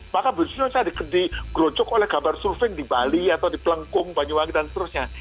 maka busno saya digerucuk oleh gambar surfing di bali atau di pelengkung banyuwangi dan seterusnya